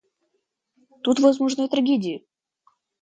Тут возможны и трагедии.